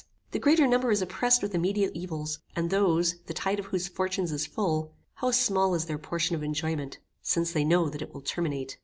The greater number is oppressed with immediate evils, and those, the tide of whose fortunes is full, how small is their portion of enjoyment, since they know that it will terminate.